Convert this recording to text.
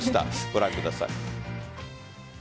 ご覧ください。